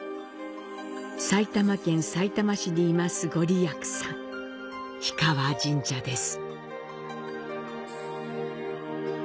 埼玉県さいたま市に坐す、ごりやくさん、氷川神社です。